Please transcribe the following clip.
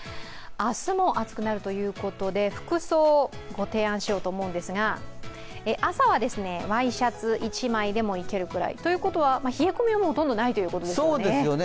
明日も暑くなるということで、服装ご提案しようと思うんですが、朝はワイシャツ１枚でもいけるくらい。ということは冷え込みはほとんどないということですか。